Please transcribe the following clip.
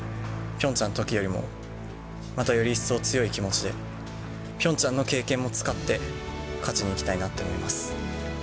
ピョンチャンのときよりも、またより一層強い気持ちで、ピョンチャンの経験も使って、勝ちにいきたいなって思います。